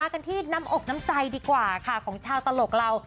กันที่น้ำอกน้ำใจดีกว่าค่ะของชาวตลกเรา